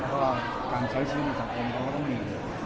แล้วก็การใช้ชีวิตในสังคมเขาก็ต้องมี